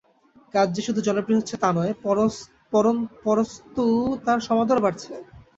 কাজ যে শুধু জনপ্রিয় হচ্ছে তা নয়, পরন্তু তার সমাদরও বাড়ছে।